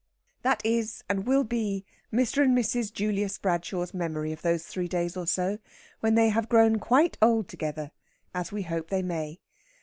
That is and will be Mr. and Mrs. Julius Bradshaw's memory of those three days or so, when they have grown quite old together, as we hope they may.